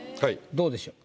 どうでしょう？